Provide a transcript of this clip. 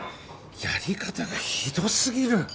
やり方がひど過ぎる！